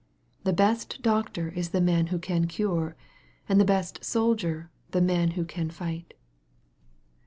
The best doctor is the man who can cure, and the best soldier the man who can fight.